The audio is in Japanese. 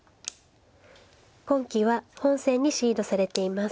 今期は本戦にシードされています。